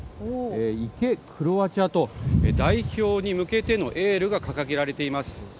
行け、クロアチアと代表に向けてのエールが掲げられています。